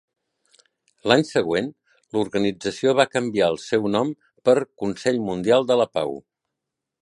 L'any següent, l'organització va canviar el seu nom pel Consell Mundial de la Pau.